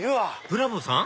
ブラ坊さん？